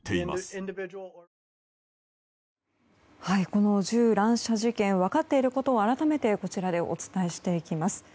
この銃乱射事件分かっていることを改めてこちらでお伝えしていきます。